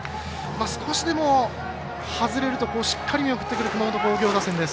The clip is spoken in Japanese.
少しでも外れるとしっかり見送ってくる熊本工業打線です。